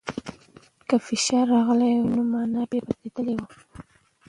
که فشار راغلی وای، نو مانا به بدلېدلې وای.